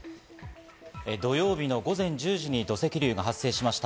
土曜日の午前１０時に土石流が発生しました。